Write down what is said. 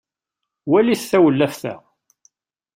walit tawellaft-a